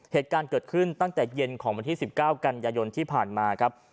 เหตุการณ์เกิดขึ้นตั้งแต่เย็นของวันที่๑๙กันยายนที่ผ่านมาครับ